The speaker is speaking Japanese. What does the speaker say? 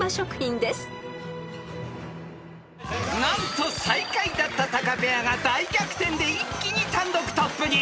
［何と最下位だったタカペアが大逆転で一気に単独トップに］